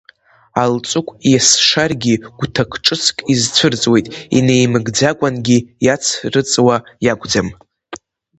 Алҵыкә ес-шаргьы гәҭак ҿыцк изцәырҵуеит, инеимгӡакәангьы иацрыҵуа иакәӡам.